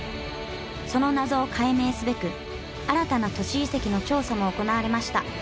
その謎を解明すべく新たな都市遺跡の調査も行われました